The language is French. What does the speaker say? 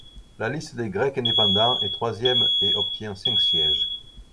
La liste des Grecs indépendants est troisième et obtient cinq sièges.